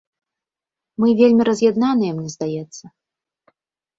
Мы вельмі раз'яднаныя, мне здаецца.